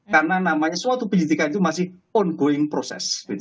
karena namanya suatu penyidikan itu masih ongoing proses